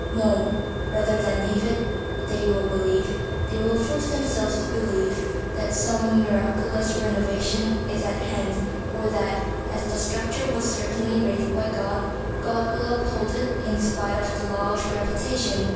No; rather than leave it they will believe, they will force themselves to believe, that some miraculous renovation is at hand, or that (as the structure was certainly raised by God) God will uphold it in spite of the law of gravitation.